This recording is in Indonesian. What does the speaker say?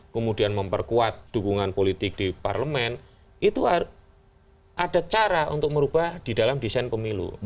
kemudian memperkuat dukungan politik di parlemen itu ada cara untuk merubah di dalam desain pemilu